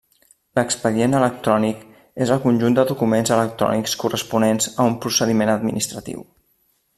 L’expedient electrònic és el conjunt de documents electrònics corresponents a un procediment administratiu.